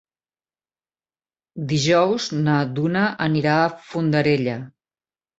Dijous na Duna anirà a Fondarella.